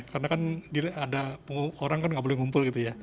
karena kan orang tidak boleh mengumpul